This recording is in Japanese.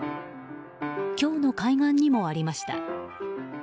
今日の海岸にもありました。